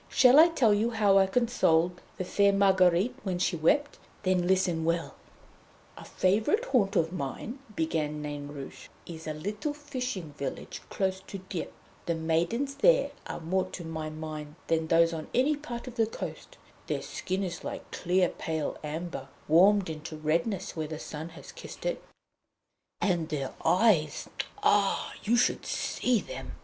Shall I tell you how I consoled the fair Marguerite when she wept? Then listen well!" The white Stone of Happiness. "A favourite haunt of mine," began Nain Rouge, "is a little fishing village, close to Dieppe. The maidens there are more to my mind than those on any other part of the coast; their skin is like clear pale amber, warmed into redness where the sun has kissed it, and their eyes ah! you should see them!